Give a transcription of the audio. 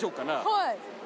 はい。